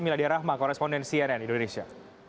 miladia rahma koresponden cnn indonesia